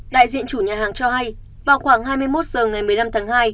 đại diện chủ nhà hàng cho hay vào khoảng hai mươi một h ngày một mươi năm tháng hai